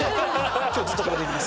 今日ずっとこれでいきます。